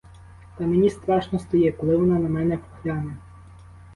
Та мені страшно стає, коли вона на мене гляне!